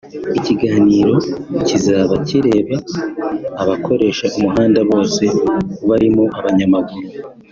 Ikiganiro kizaba kireba abakoresha umuhanda bose barimo abanyamaguru